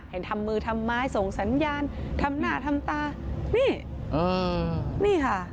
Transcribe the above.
ทำมือทำไมส่งสัญญาณทำหน้าทำตานี่นี่ค่ะ